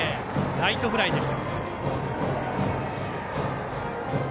ライトフライでした。